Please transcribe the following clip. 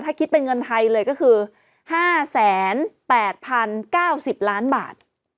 ถ้าคิดเป็นเงินไทยเลยก็คือ๕๘๐๙๐ล้านบาท